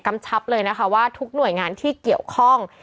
ชับเลยนะคะว่าทุกหน่วยงานที่เกี่ยวข้อง